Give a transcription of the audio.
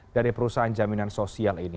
dari perusahaan jaminan sosial ini